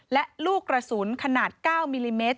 และลูกกระสุนขนาด๙มิลลิเมตร